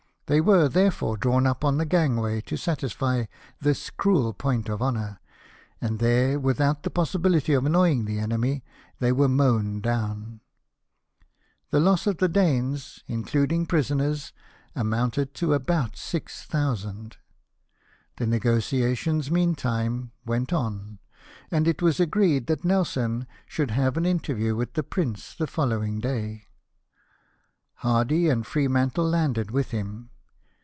They were, therefore, drawn up on the gangway, to satisfy this cruel point of honour ; and there, without the possibility of annoying the enemy, they were mown down ! The loss of the Danes, including prisoners, amounted to about six thousand. The negotiations meantime went on ; and it was agreed that Nelson should have an interview with the Prince the following day. Hardy and Freemantle landed with him.